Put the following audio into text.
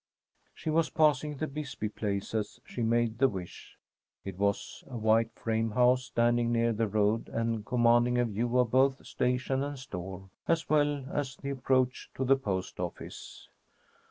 She was passing the Bisbee place as she made the wish. It was a white frame house standing near the road, and commanding a view of both station and store, as well as the approach to the post office.